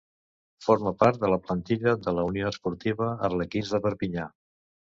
Forma part de la plantilla de la Unió Esportiva Arlequins de Perpinyà.